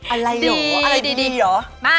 อะไรดีอะ